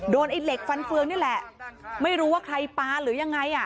ไอ้เหล็กฟันเฟืองนี่แหละไม่รู้ว่าใครปลาหรือยังไงอ่ะ